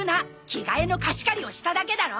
着替えの貸し借りをしただけだろ！